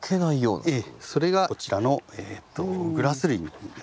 それがこちらのグラス類になりますね。